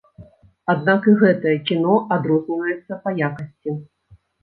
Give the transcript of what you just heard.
Аднак і гэтае кіно адрозніваецца па якасці.